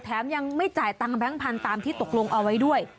ยังไม่จ่ายตังค์แบงค์พันธุ์ตามที่ตกลงเอาไว้ด้วย